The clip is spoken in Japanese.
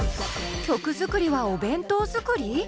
曲作りはお弁当作り？